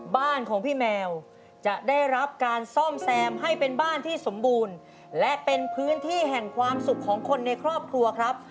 บ้านของพี่แมวจะได้รับการซ่อมแซมให้เป็นบ้านที่สมบูรณ์และเป็นพื้นที่แห่งความสุขของคนในครอบครัวครับ